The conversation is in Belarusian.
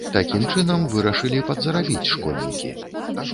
Такім чынам вырашылі падзарабіць школьнікі.